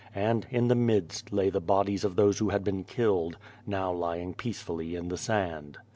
And in the midst lay the bodies of those who had been killed, now lying peacefully in the sand.